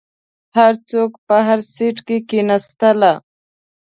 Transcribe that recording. هر څوک په هر سیټ کښیناستل.